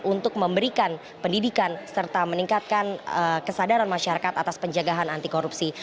untuk memberikan pendidikan serta meningkatkan kesadaran masyarakat atas penjagaan anti korupsi